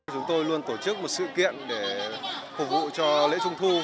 chúng tôi luôn tổ chức một sự kiện để phục vụ cho lễ trung thu